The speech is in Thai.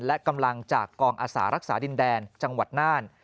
และกำลังจากกองอาสารักษาดินแดนจังหวัดน่าน